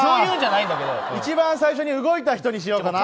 一番最初に動いた人にしようかな。